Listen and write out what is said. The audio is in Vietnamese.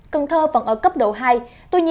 cần thơ vẫn ở cấp độ hai